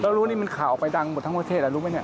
แล้วรู้นี่มันข่าวไปดังหมดทั้งประเทศแล้วรู้ไหมเนี่ย